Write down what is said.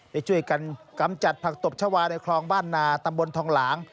ได้ช่วยกันกำจัดผักตบชาวาในคลองบ้านนาตำบลทองหลาง